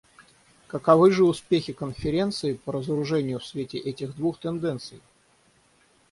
Каковы же успехи Конференции по разоружению в свете этих двух тенденций?